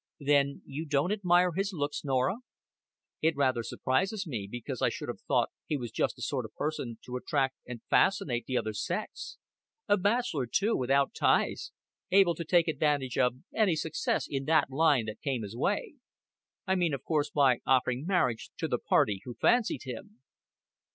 "Then you don't admire his looks, Norah?" "It rather surprises me, because I should have thought he was just the sort of person to attract and fascinate the other sex a bachelor too, without ties, able to take advantage of any success in that line that came his way. I mean, of course, by offering marriage to the party who fancied him."